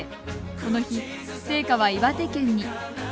この日、聖火は岩手県に。